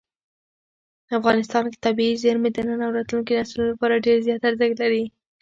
افغانستان کې طبیعي زیرمې د نن او راتلونکي نسلونو لپاره ډېر زیات ارزښت لري.